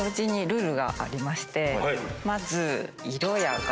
まず。